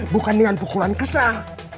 bukan dengan pukulan kesal